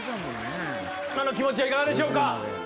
今の気持ちはいかがでしょうか。